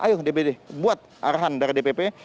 ayo dpd buat arahan dari dpp